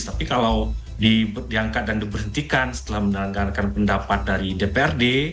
tapi kalau diangkat dan diberhentikan setelah mendengarkan pendapat dari dprd